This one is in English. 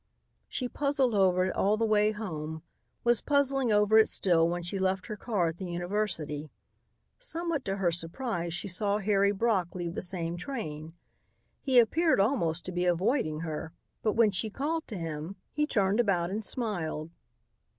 She puzzled over it all the way home; was puzzling over it still when she left her car at the university. Somewhat to her surprise she saw Harry Brock leave the same train. He appeared almost to be avoiding her but when she called to him he turned about and smiled.